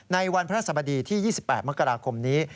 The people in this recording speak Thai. ในวันพระสบดีที่๒๘มกราคมนี้